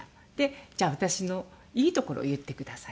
「じゃあ私のいいところを言ってください」。